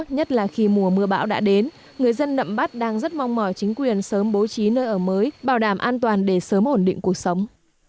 nhất là khi mùa mưa bão đã đến người dân nậm bắc đang rất mong mỏi chính quyền sớm bố trí nơi ở mới bảo đảm an toàn để sớm ổn định cuộc sống